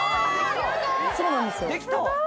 そうなんですよできた！